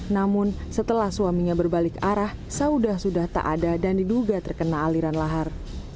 namun setelah suaminya berbalik arah saudah sudah tak ada dan diduga terkena aliran lahar